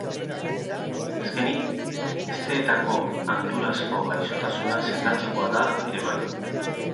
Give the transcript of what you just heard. Azkenik, hesteetako hanturazko gaixotasuna sendatzekoa da ere bai.